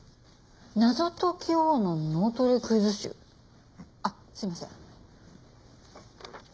『謎解き王の脳トレクイズ集』？あっすいません。